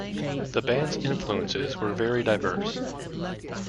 The band's influences were very diverse.